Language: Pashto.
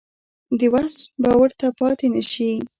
د وس به ورته پاتې نه شي.